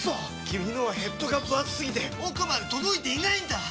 君のはヘッドがぶ厚すぎて奥まで届いていないんだっ！